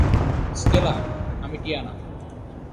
Stella, আমি Tiana!